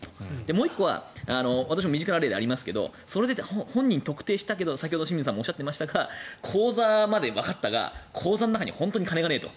もう１個は私の身近な例でありましたがそれで本人を特定したけど先ほど清水さんもおっしゃっていましたが口座まで分かったが口座の中に本当に金がないと。